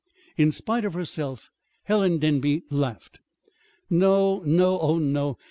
In spite of herself Helen Denby laughed. "No, no, oh, no!